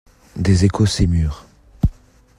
Des échos s'émurent.